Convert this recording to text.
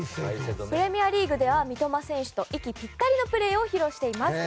プレミアリーグでは三笘選手と息ぴったりのプレーを披露しています。